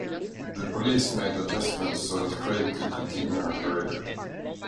The police made adjustments so that Craig could continue her career.